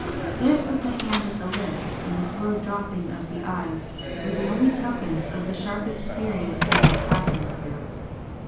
This, with the hand at the lips and the slow dropping of the eyes, were the only tokens of the sharp experience he had been passing through.